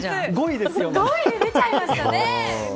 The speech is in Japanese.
５位で出ちゃいましたね。